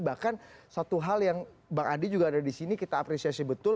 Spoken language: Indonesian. bahkan satu hal yang bang andi juga ada di sini kita apresiasi betul